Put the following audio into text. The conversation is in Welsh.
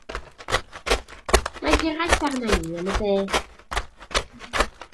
Mae hiraeth arna i am y de.